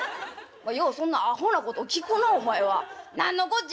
ようそんなアホなこと聞くなお前は。何のこっちゃ！」。